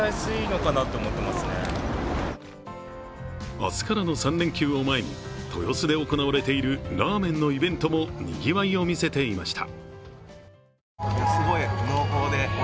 明日からの３連休を前に豊洲で行われているラーメンのイベントもにぎわいを見せていました。